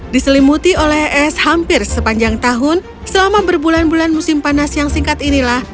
diselimuti oleh es hampir sepanjang tahun selama berbulan bulan musim panas yang singkat inilah